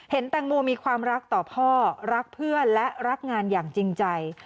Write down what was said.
แตงโมมีความรักต่อพ่อรักเพื่อนและรักงานอย่างจริงใจ